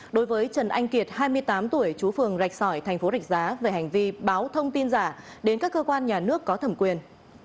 đối với trần anh kiệt hai mươi tám tuổi chú phường rạch sỏi thành phố rạch giá về hành vi báo thông tin giả đến các cơ quan nhà nước có thẩm quyền